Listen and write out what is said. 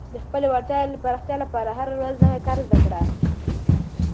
د خپلې وړتیا پراختیا لپاره هره ورځ نوی کار زده کړه.